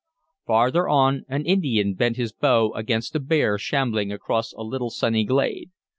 Farther on, an Indian bent his bow against a bear shambling across a little sunny glade.